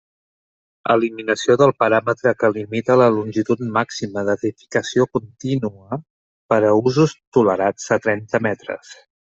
Eliminació del paràmetre que limita la longitud màxima d'edificació contínua per a usos tolerats a trenta metres.